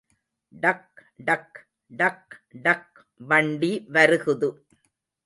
டக்டக் டக்டக் வண்டி வருகுது.